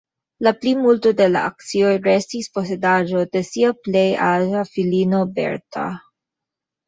La plimulto de la akcioj restis posedaĵo de sia plej aĝa filino Bertha.